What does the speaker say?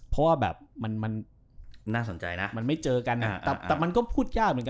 เพราะว่ามันไม่เจอกันแต่มันก็พูดยากเหมือนกัน